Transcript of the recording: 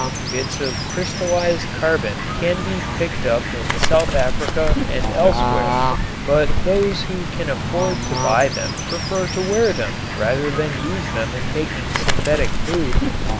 Bits of crystallized carbon can be picked up in South Africa and elsewhere, but those who can afford to buy them prefer to wear them rather than use them in making synthetic food.